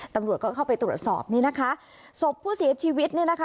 ตำรวจก็เข้าไปตรวจสอบนี่นะคะศพผู้เสียชีวิตเนี่ยนะคะ